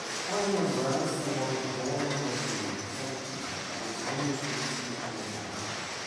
Housing on ground floor, door number U, type D, with its own distribution to inhabit.